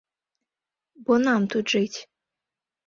Бо нам тут жыць.